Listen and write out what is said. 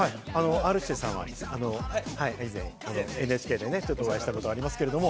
Ｒ−指定さんは以前、ＮＨＫでね、ちょっとお会いしたことありますけれども。